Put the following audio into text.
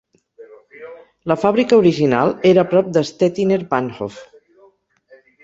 La fàbrica original era a prop de Stettiner Bahnhof.